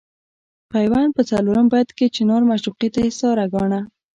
پیوند په څلورم بیت کې چنار معشوقې ته استعاره ګاڼه.